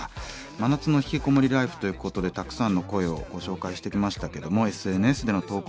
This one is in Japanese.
「真夏のひきこもりライフ」ということでたくさんの声をご紹介してきましたけどもＳＮＳでの投稿